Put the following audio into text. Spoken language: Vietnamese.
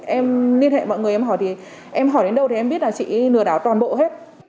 em liên hệ mọi người em hỏi đến đâu thì em biết là chị lừa đảo toàn bộ hết